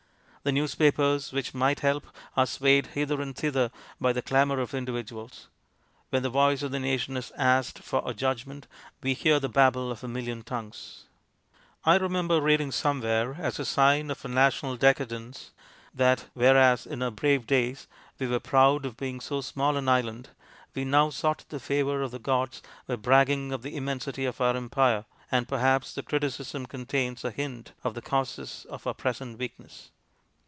The newspapers, which might help, are swayed hither and thither by the clamour of individuals. When the voice of the nation is asked for a judgment we hear the babble of a million tongues. I remember reading somewhere as a sign of our national decadence that, whereas in our brave days we were proud of being so small an island, we now sought the favour of the gods by bragging of the immensity of our Empire, and perhaps the criticism con tains a hint of the causes of our present weakness.